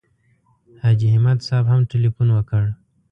حاجي همت صاحب هم تیلفون وکړ.